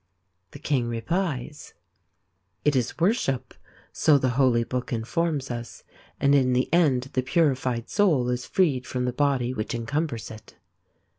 The King replies: It is worship, so the holy 1 books inform us, and in the end the purified soul is freed from the body which encumbers it.